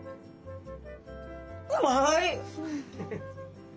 うまい！